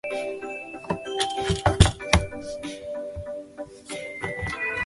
设计方案经过数次变更。